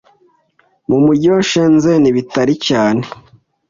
mu mujyi wa Shenzhen bitari cyane